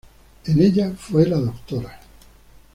En ella fue la Dra.